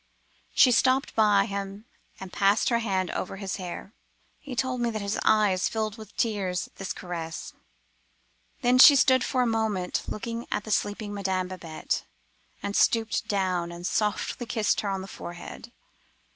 She stopped by him, and passed her hand over his hair. He told me that his eyes filled with tears at this caress. Then she stood for a moment looking at the sleeping Madame Babette, and stooped down and softly kissed her on the forehead.